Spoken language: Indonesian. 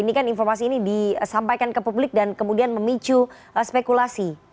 ini kan informasi ini disampaikan ke publik dan kemudian memicu spekulasi